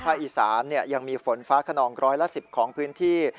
ภายอีศาลยังมีฝนฟ้าขนอง๑๐๐ละ๑๐ของพื้นที่